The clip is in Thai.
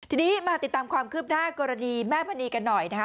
ทีนี้มาติดตามความคืบหน้ากรณีแม่มณีกันหน่อยนะคะ